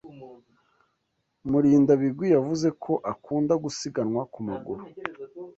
Murindabigwi yavuze ko akunda gusiganwa ku maguru.